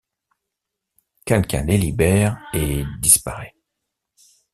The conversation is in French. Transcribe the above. Quelqu'un les libère et disparaît.